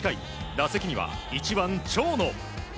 打席には１番、長野。